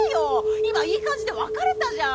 今いい感じで別れたじゃん！